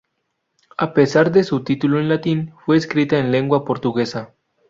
A pesar de su título en latín, fue escrita en lengua portuguesa.